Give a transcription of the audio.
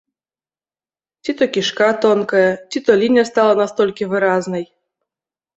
Ці то кішка тонкая, ці то лінія стала настолькі выразнай?